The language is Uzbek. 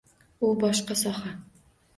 U boshqa soha.